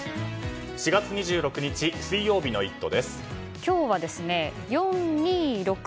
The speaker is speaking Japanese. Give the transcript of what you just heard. ４月２６日水曜日の「イット！」